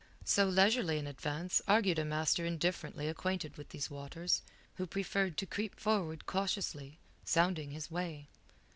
So leisurely an advance argued a master indifferently acquainted with these waters, who preferred to creep forward cautiously, sounding his way.